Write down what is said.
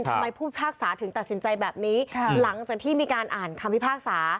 ผู้พิพากษาถึงตัดสินใจแบบนี้หลังจากที่มีการอ่านคำพิพากษา